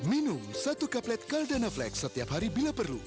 minum satu kaplet caldana flex setiap hari bila perlu